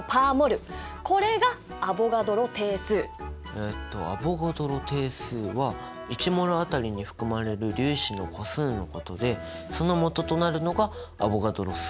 えっとアボガドロ定数は１ｍｏｌ当たりに含まれる粒子の個数のことでそのもととなるのがアボガドロ数。